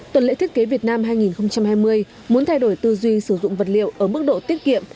tuần lễ thiết kế việt nam hai nghìn hai mươi muốn thay đổi tư duy sử dụng vật liệu ở mức độ tiết kiệm